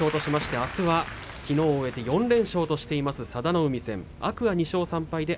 あすはきのう終えて４連勝としている、佐田の海戦。